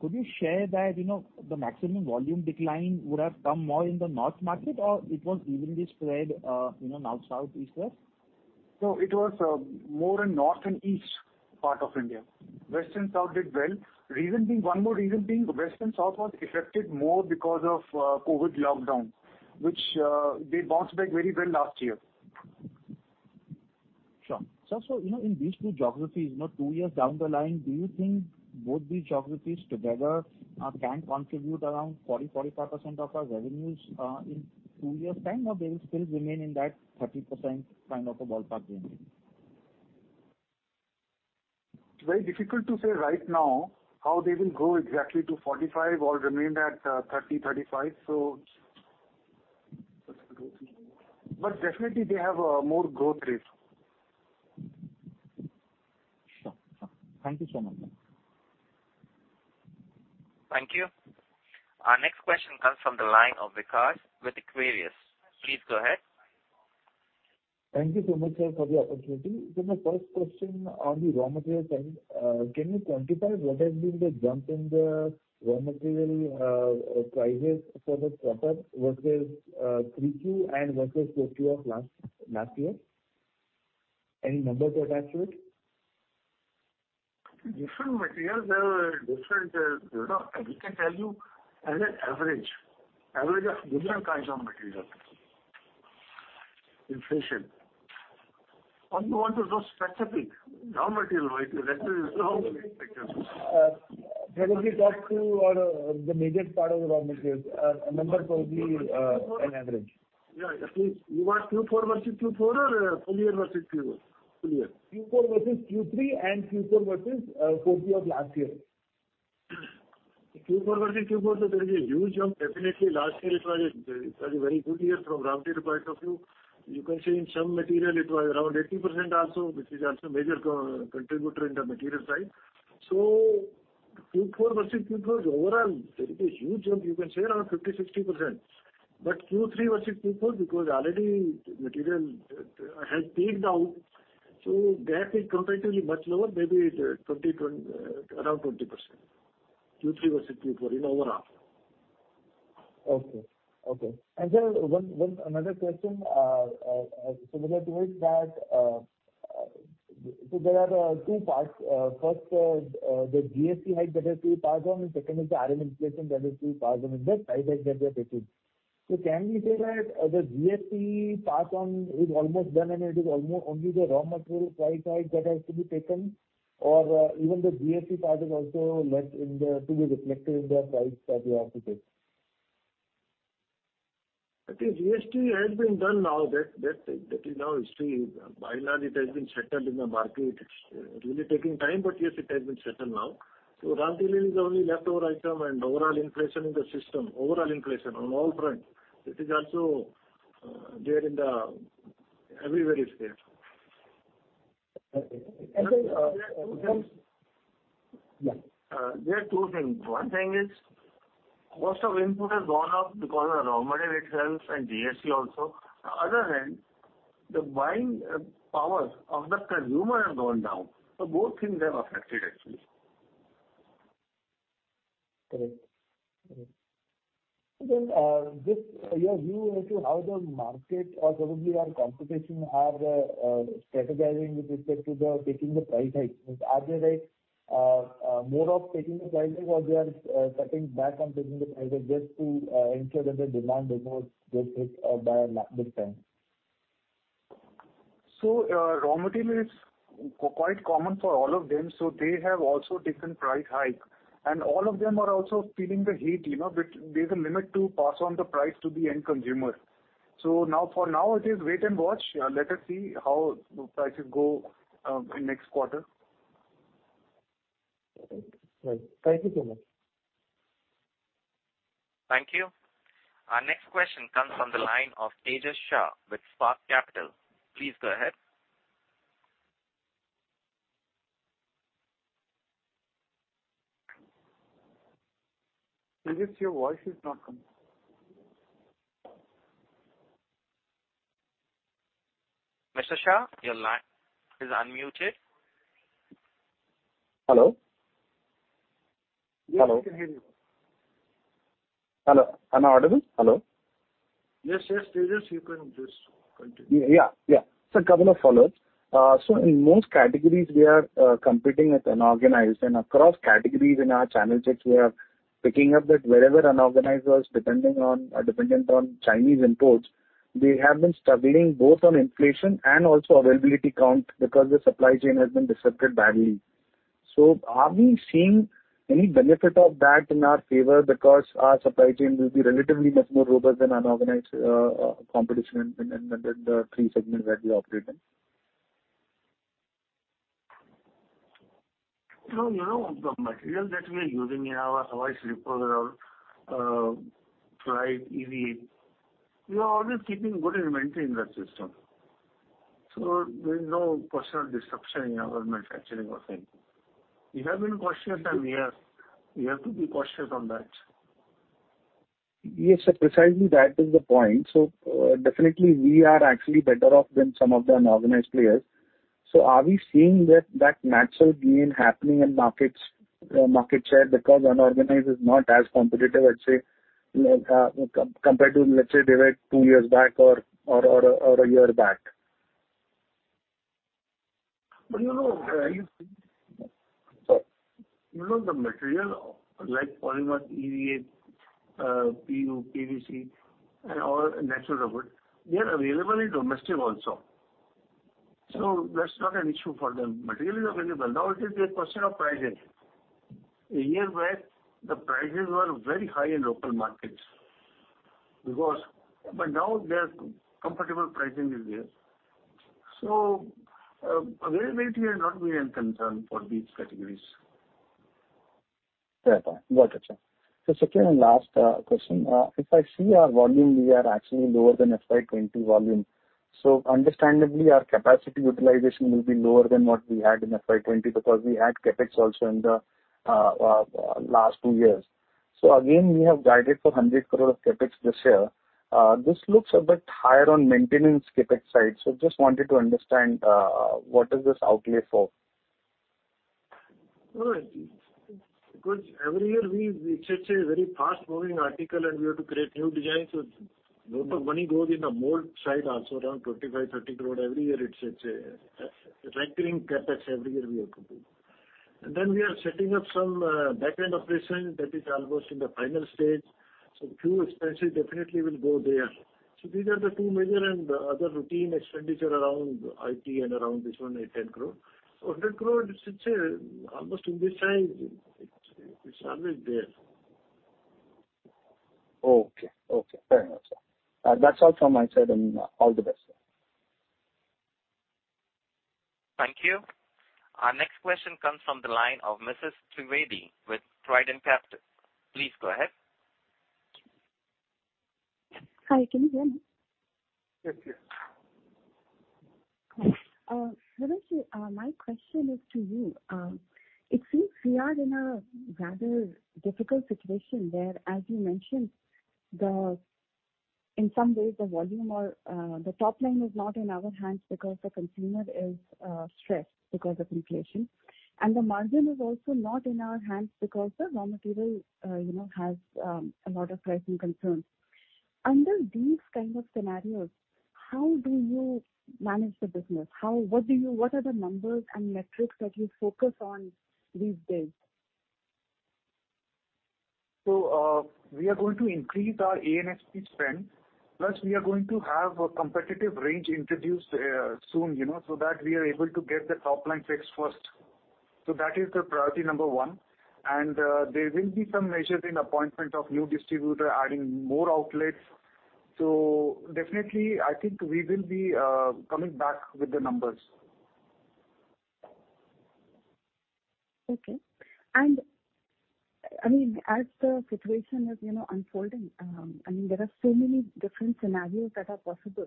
could you share that, you know, the maximum volume decline would have come more in the North market or it was evenly spread, you know, North, South, East, West? No, it was more in North and East part of India. West and South did well. Reason being, one more reason being West and South was affected more because of COVID lockdown, which they bounced back very well last year. Sure. Sir, you know, in these two geographies, you know, two years down the line, do you think both these geographies together can contribute around 40-45% of our revenues in two years' time or they will still remain in that 30% kind of a ballpark range? Very difficult to say right now how they will grow exactly to 45% or remain at 30%-35%, so. That's good. Definitely they have more growth rate. Sure. Thank you so much. Thank you. Our next question comes from the line of Vikas with Aquarius. Please go ahead. Thank you so much, sir, for the opportunity. My first question on the raw material side, can you quantify what has been the jump in the raw material prices for the quarter versus Q3 and versus Q4 of last year? Any numbers to attach to it? Different materials have a different, you know. I can tell you as an average of different kinds of material inflation. All you want is those specific raw material, which is actually raw material. Probably talk to the major part of the raw materials, number probably, an average. Yeah, actually you want Q4 versus Q4 or full year versus full year? Full year. Q4 versus Q3 and Q4 versus Q4 of last year. Q4 versus Q4, so there is a huge jump. Definitely last year it was a very good year from raw material point of view. You can say in some material it was around 80% also, which is also major contributor in the material side. Q4 versus Q4 overall, there is a huge jump. You can say around 50%-60%. Q3 versus Q4, because already material has peaked out, so gap is comparatively much lower, maybe 20% around 20%. Q3 versus Q4 in overall. Okay. Sir, one another question similar to it that so there are two parts. First, the GST hike that has to be passed on, and second is the raw material inflation that is to be passed on in the price hike that we are taking. Can we say that the GST pass on is almost done and it is only the raw material price hike that has to be taken? Or even the GST part is also left to be reflected in the price that we have to take? That is GST has been done now. That is now history. By and large, it has been settled in the market. It's really taking time, but yes, it has been settled now. Raw material is the only leftover item and overall inflation in the system, overall inflation on all fronts, it is also there everywhere it's there. Okay. Sir- There are two things. Yeah. There are two things. One thing is cost of input has gone up because of raw material itself and GST also. On the other hand, the buying power of the consumer has gone down. Both things have affected actually. Correct. Just your view into how the market or probably our competition are strategizing with respect to taking the price hikes. Are they like, more of taking the prices or they are cutting back on taking the prices just to ensure that the demand does not get hit by this time? Raw material is quite common for all of them, so they have also taken price hike. All of them are also feeling the heat, you know. There's a limit to pass on the price to the end consumer. Now, for now it is wait and watch. Let us see how the prices go, in next quarter. Okay. Right. Thank you so much. Thank you. Our next question comes from the line of Tejash Shah with Spark Capital. Please go ahead. Tejash, your voice is not coming. Mr. Shah, your line is unmuted. Hello? Yes, we can hear you. Hello. Am I audible? Hello. Yes, yes, Tejash, you can just continue. Yeah, yeah. A couple of follow-ups. In most categories we are competing with unorganized and across categories in our channel checks we are picking up that wherever unorganized was depending on or dependent on Chinese imports, they have been struggling both on inflation and also availability count because the supply chain has been disrupted badly. Are we seeing any benefit of that in our favor because our supply chain will be relatively much more robust than unorganized competition in the three segments that we operate in? No, you know, the material that we are using in our Hawai slippers or Flite EVA, we are always keeping good inventory in that system. There is no question of disruption in our manufacturing or anything. We have been cautious and we have to be cautious on that. Yes, sir, precisely that is the point. Definitely we are actually better off than some of the unorganized players. Are we seeing that natural gain happening in markets, market share because unorganized is not as competitive, let's say, compared to let's say they were two years back or a year back? You know, you know, the material like polymer, EVA, PU, PVC and all natural rubber, they are available in domestic also. That's not an issue for them. Material is available. Now it is a question of pricing. A year where the prices were very high in local markets because. Now there's comfortable pricing is there. Availability is not really a concern for these categories. Fair point. Got it, sir. Second and last question. If I see our volume, we are actually lower than FY 2020 volume. Understandably our capacity utilization will be lower than what we had in FY 2020 because we had CapEx also in the last two years. Again we have guided for 100 crore of CapEx this year. This looks a bit higher on maintenance CapEx side. Just wanted to understand what is this outlay for? No, because every year we, it's a very fast moving article and we have to create new designs. A lot of money goes in the mold side also, around 25-30 crore every year. It's a recurring CapEx every year we have to do. We are setting up some back-end operation that is almost in the final stage. Few expenses definitely will go there. These are the two major and other routine expenditure around IT and around this one, 800 crore. 100 crore, this is almost in this size. It's always there. Okay, fair enough, sir. That's all from my side and all the best, sir. Thank you. Our next question comes from the line of Mrs. Trivedi with Trident Capital Investments. Please go ahead. Hi. Can you hear me? Yes, yes. Rameshji, my question is to you. It seems we are in a rather difficult situation where, as you mentioned, in some ways the volume or the top line is not in our hands because the consumer is stressed because of inflation. The margin is also not in our hands because the raw material, you know, has a lot of pricing concerns. Under these kind of scenarios, how do you manage the business? What are the numbers and metrics that you focus on these days? We are going to increase our A&SP spend, plus we are going to have a competitive range introduced, soon, you know, so that we are able to get the top line fixed first. That is the priority number one. There will be some measures in appointment of new distributor adding more outlets. Definitely, I think we will be coming back with the numbers. Okay. I mean, as the situation is, you know, unfolding, I mean, there are so many different scenarios that are possible.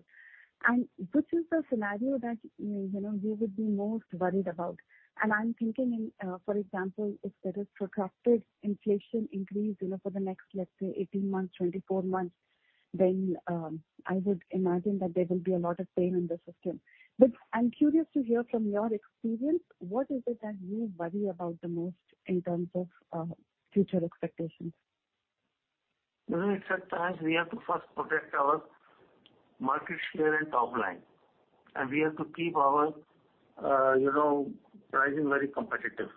Which is the scenario that you know you would be most worried about? I'm thinking, for example, if there is protracted inflation increase, you know, for the next, let's say 18 months, 24 months, then I would imagine that there will be a lot of pain in the system. I'm curious to hear from your experience, what is it that you worry about the most in terms of future expectations? No. At times we have to first protect our market share and top line, and we have to keep our, you know, pricing very competitive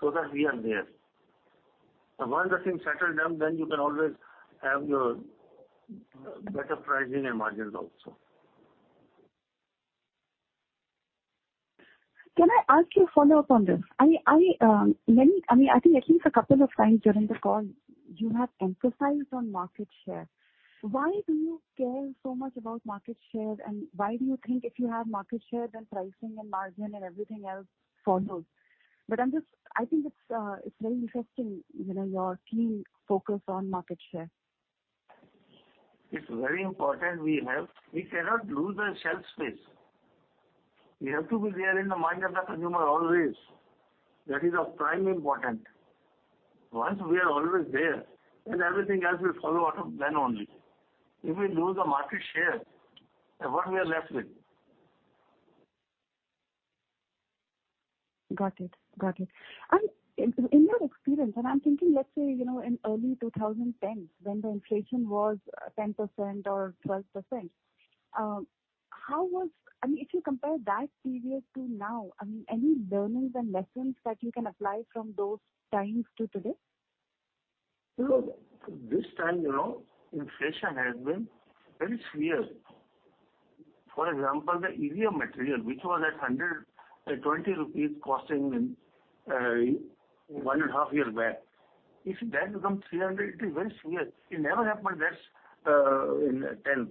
so that we are there. Once the things settle down, then you can always have your better pricing and margins also. Can I ask you a follow-up on this? I mean, I think at least a couple of times during the call you have emphasized on market share. Why do you care so much about market share and why do you think if you have market share then pricing and margin and everything else follows? I'm just, I think it's very interesting, you know, your key focus on market share. It's very important. We cannot lose the shelf space. We have to be there in the mind of the consumer always. That is of prime importance. Once we are always there, then everything else will follow out of that only. If we lose the market share, then what we are left with? Got it. In your experience, and I'm thinking, let's say, you know, in early 2010s when the inflation was 10% or 12%, I mean, if you compare that period to now, I mean, any learnings and lessons that you can apply from those times to today? This time, you know, inflation has been very severe. For example, the EVA material, which was at 120 rupees costing one and a half year back, if that become 300, it is very severe. It never happened that in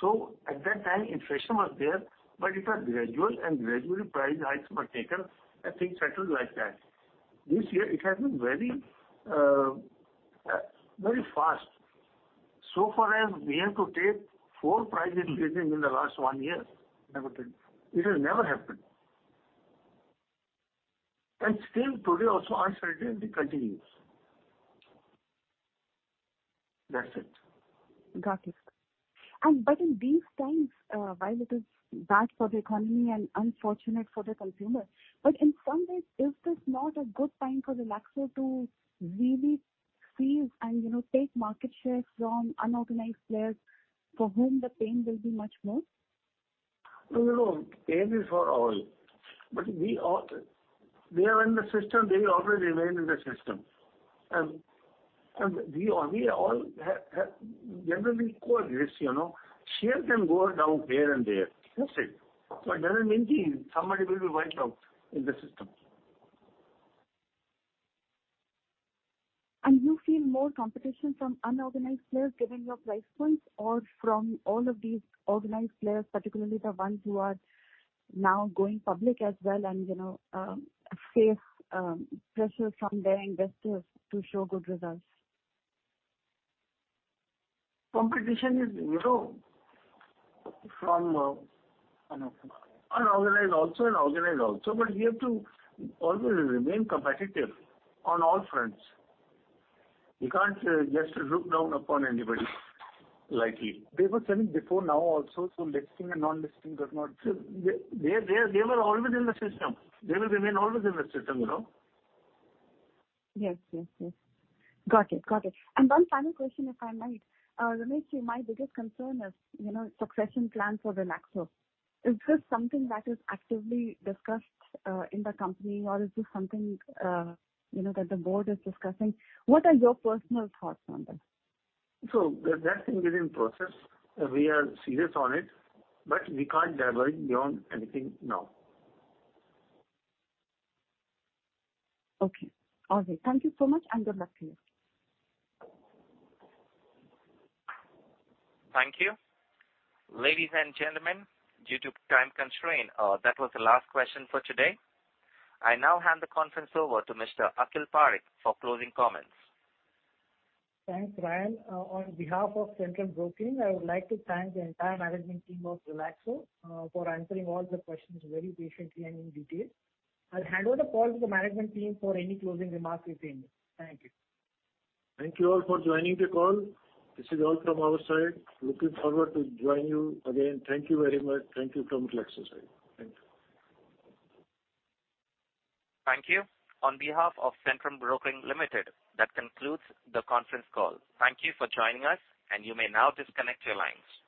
ten. At that time inflation was there, but it was gradual and gradually price hikes were taken and things settled like that. This year it has been very fast. As far as we have to take four price increases in the last one year, let me tell you. It has never happened. Still today also uncertainty continues. That's it. Got it. In these times, while it is bad for the economy and unfortunate for the consumer, but in some ways is this not a good time for Relaxo to really seize and, you know, take market share from unorganized players for whom the pain will be much more? No, no. Pain is for all. They are in the system, they will always remain in the system. We all have generally coexist, you know. Share can go down here and there. That's it. It doesn't mean somebody will be wiped out in the system. You feel more competition from unorganized players given your price points or from all of these organized players, particularly the ones who are now going public as well and, you know, face pressure from their investors to show good results? Competition is, you know, from. Unorganized. unorganized also and organized also. We have to always remain competitive on all fronts. You can't just look down upon anybody lightly. They were selling before, now also. Listing and non-listing does not. They were always in the system. They will remain always in the system, you know. Yes. Got it. One final question, if I might. Rameshji, my biggest concern is, you know, succession plan for Relaxo. Is this something that is actively discussed in the company or is this something, you know, that the board is discussing? What are your personal thoughts on this? That thing is in process. We are serious on it, but we can't divulge beyond anything now. Okay. All right. Thank you so much and good luck to you. Thank you. Ladies and gentlemen, due to time constraint, that was the last question for today. I now hand the conference over to Mr. Akhil Parekh for closing comments. Thanks, Ryan. On behalf of Centrum Broking, I would like to thank the entire management team of Relaxo for answering all the questions very patiently and in detail. I'll hand over the call to the management team for any closing remarks if any. Thank you. Thank you all for joining the call. This is all from our side. Looking forward to join you again. Thank you very much. Thank you from Relaxo side. Thank you. Thank you. On behalf of Centrum Broking Limited, that concludes the conference call. Thank you for joining us, and you may now disconnect your lines.